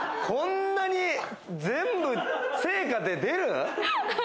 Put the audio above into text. こんなに全部成果で出る？